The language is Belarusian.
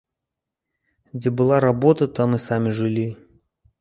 Дзе была работа, там і самі жылі.